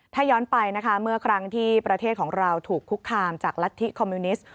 ถ้าย้อนไปนะคะเมื่อครั้งที่ประเทศของเราถูกคุกคามจากรัฐธิคอมมิวนิสต์